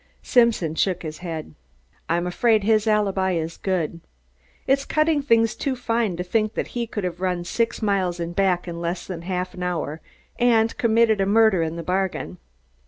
Simpson shook his head. "I'm afraid his alibi is good. It's cutting things too fine to think that he could have run six miles and back in less than half an hour and committed a murder in the bargain.